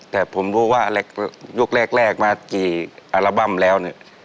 แต่ผมรู้ว่ายุคแรกมากี่อัลบั้มแล้วเนี่ย